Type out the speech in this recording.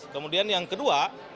kemudian yang kedua